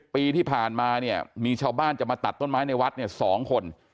ปีที่ผ่านมาเนี่ยมีชาวบ้านจะมาตัดต้นไม้ในวัดเนี่ย๒คน